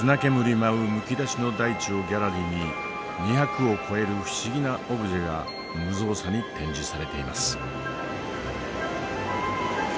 舞うむき出しの大地をギャラリーに２００を超える不思議なオブジェが無造作に展示されています。